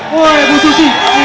wah bu susi